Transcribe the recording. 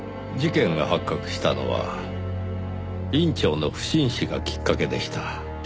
事件が発覚したのは院長の不審死がきっかけでした。